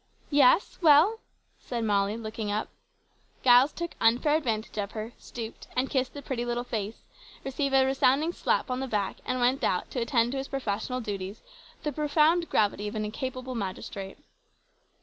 "Yes, well?" said Molly, looking up. Giles took unfair advantage of her, stooped, and kissed the pretty little face, received a resounding slap on the back, and went out, to attend to his professional duties, with the profound gravity of an incapable magistrate.